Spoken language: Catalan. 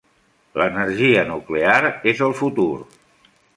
L'energia nuclear és el futur.